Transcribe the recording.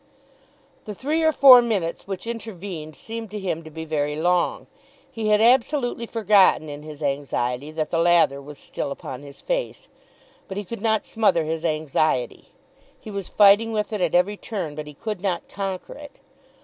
The three or four minutes which intervened seemed to him to be very long. He had absolutely forgotten in his anxiety that the lather was still upon his face. But he could not smother his anxiety. He was fighting with it at every turn, but he could not conquer it.